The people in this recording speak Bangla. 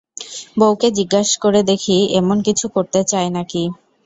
বউকে জিজ্ঞেস করে দেখি, এমন কিছু করতে চায় নাকি।